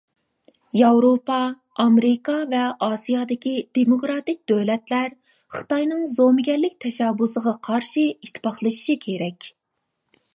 ياۋروپا، ئامېرىكا ۋە ئاسىيادىكى دېموكراتىك دۆلەتلەر، خىتاينىڭ زومىگەرلىك تەشەببۇسىغا قارشى ئىتتىپاقلىشىشى كېرەك.